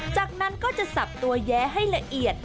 จากนั้นก็จะสับตัวแย้ให้ละเอียด